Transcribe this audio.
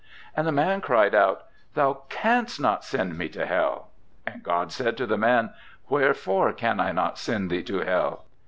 'And the man cried out, "Thou canst not send me to Hell." 'And God said to the man, "Wherefore can I not send thee to Hell?"